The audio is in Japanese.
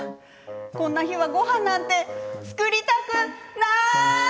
こんな日はは、もうごはんなんか作りたくなーい！